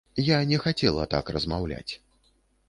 Я не хацела так размаўляць.